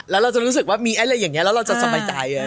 แล้วเราจะรู้สึกว่ามีอะไรอย่างนี้แล้วเราจะสบายใจ